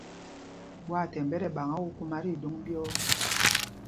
Ɓwâthɛmb ɓɛ tí ɛɓaŋǎ kūkūmā tí idōŋ ɓyɔ̄ɔ̄.